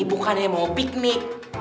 bukannya mau piknik